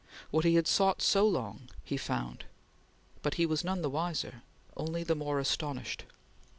What he had sought so long, he found; but he was none the wiser; only the more astonished.